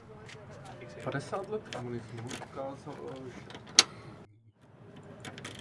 Padesát let komunismu ukázalo, že tomu tak není.